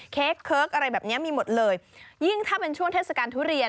เค้กเคิร์กอะไรแบบเนี้ยมีหมดเลยยิ่งถ้าเป็นช่วงเทศกาลทุเรียน